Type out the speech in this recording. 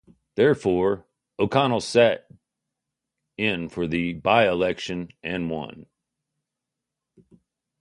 Therefore, O'Connell sat in for the by-election and won.